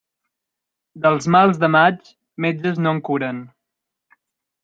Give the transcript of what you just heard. Dels mals de maig, metges no en curen.